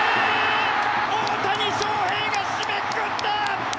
大谷翔平が締めくくった！